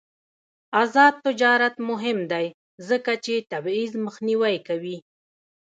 آزاد تجارت مهم دی ځکه چې تبعیض مخنیوی کوي.